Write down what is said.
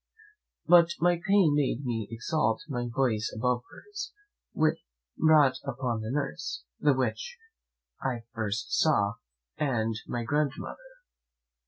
But my pain made me exalt my voice above hers, which brought up the nurse, the witch I first saw, and my grandmother.